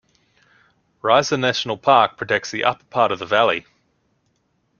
Reisa National Park protects the upper part of the valley.